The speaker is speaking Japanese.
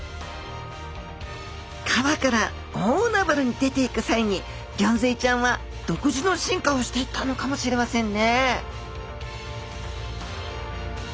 川から大海原に出ていく際にギョンズイちゃんは独自の進化をしていったのかもしれませんね